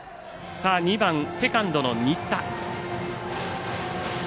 ２番、セカンドの新田。